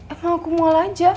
emang aku mual aja